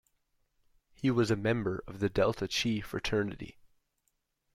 He was a member of the Delta Chi fraternity.